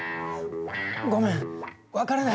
ごめん、分からない。